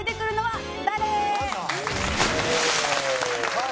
はい。